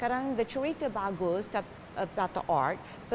kadang cerita bagus tentang seni